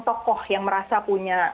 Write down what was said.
tokoh yang merasa punya